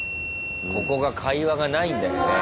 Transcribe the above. ここが会話がないんだよね。